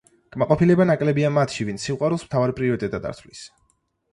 კმაყოფილება ნაკლებია მათში, ვინც სიყვარულს მთავარ პრიორიტეტად არ თვლის.